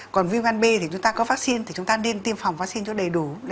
còn viêm gan b thì chúng ta có vaccine thì chúng ta nên tiêm phòng vaccine cho đầy đủ